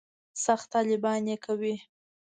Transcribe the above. سخت طالبان یې کوي.